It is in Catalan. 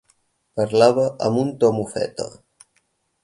Parlava amb un to mofeta.